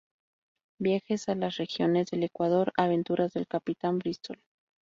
Viajes a las regiones del Ecuador: aventuras del capitán Bristol.